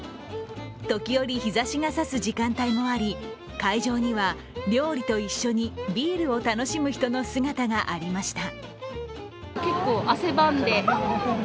時折、日ざしが差す時間帯もあり、会場には料理と一緒にビールを楽しむ人の姿がありました。